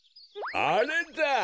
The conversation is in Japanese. あれだ！